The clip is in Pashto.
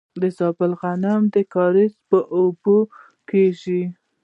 د زابل غنم د کاریز په اوبو کیږي.